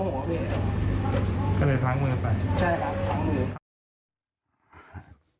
ไปพลั้งมือ